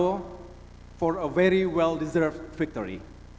untuk kemenangan yang sangat dihargai